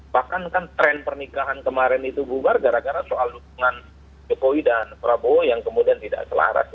bahkan kan tren pernikahan kemarin itu bubar gara gara soal dukungan jokowi dan prabowo yang kemudian tidak selaras